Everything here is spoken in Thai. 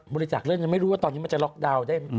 บริจักษ์เล่นยังไม่รู้ว่าตอนนี้มันจะล๊อกดาวน์ได้